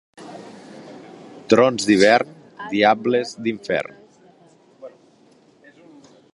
Trons d'hivern, diables d'infern.